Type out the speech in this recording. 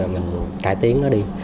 mình cải tiến nó đi